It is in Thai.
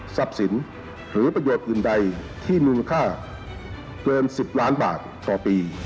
สินหรือประโยชน์อื่นใดที่มูลค่าเกิน๑๐ล้านบาทต่อปี